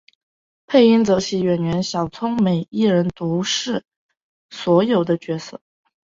配音则由演员小林聪美一人独自饰演所有角色。